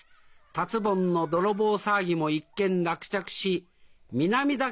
達ぼんの泥棒騒ぎも一件落着し南田